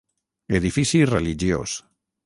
Edifici religiós.